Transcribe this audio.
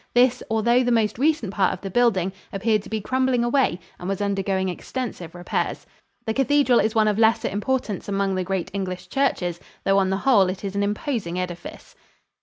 This, although the most recent part of the building, appeared to be crumbling away and was undergoing extensive repairs. The cathedral is one of lesser importance among the great English churches, though on the whole it is an imposing edifice.